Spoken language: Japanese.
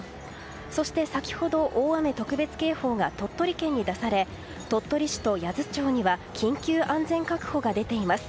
そして先ほど、大雨特別警報が鳥取県に出され鳥取市と八頭町には緊急安全確保が出ています。